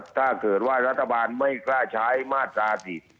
ถ้าเกิดว่ารัฐบาลไม่กล้าใช้มาตรา๔๔